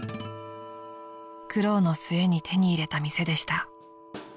［苦労の末に手に入れた店でした］